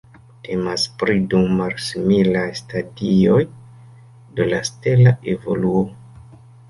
Temas pri du malsimilaj stadioj de la stela evoluo.